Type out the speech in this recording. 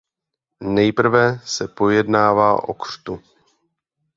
Nejprve se pojednává o křtu.